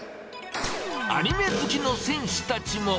アニメ好きな選手たちも。